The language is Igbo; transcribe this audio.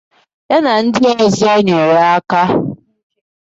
ya na ndị ọzọ nyere aka n'otu ụzọ maọbụ nke ọzọ